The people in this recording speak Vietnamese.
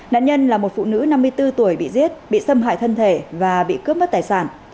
nạn nhân là một phụ nữ năm mươi bốn tuổi bị giết bị xâm hại thân thể và bị cướp mất tài sản